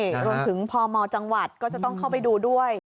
รวมถึงพมจังหวัดก็จะต้องเข้าไปดูด้วย